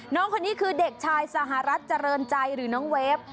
น้องคนนี้คือเด็กชายสหรัฐเจริญใจหรือน้องเวฟ